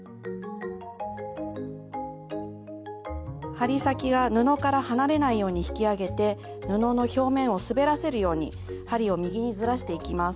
針先が布から離れないように引き上げて布の表面を滑らせるように針を右にずらしていきます。